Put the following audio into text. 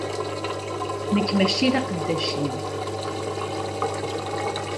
Nekk mačči d aqeddac-im.